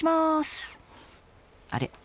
あれ？